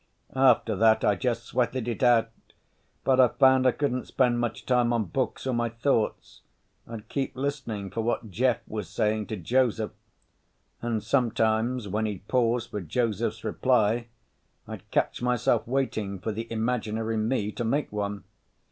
After that I just sweated it out. But I found I couldn't spend much time on books or my thoughts, I'd keep listening for what Jeff was saying to Joseph. And sometimes when he'd pause for Joseph's reply I'd catch myself waiting for the imaginary me to make one.